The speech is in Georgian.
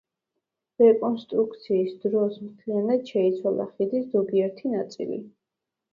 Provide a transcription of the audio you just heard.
რეკონსტრუქციის დროს მთლიანად შეიცვალა ხიდის ზოგიერთი ნაწილი.